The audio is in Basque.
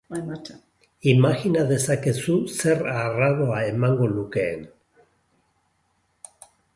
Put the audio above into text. Imajina dezakezu zer arraro emango lukeen?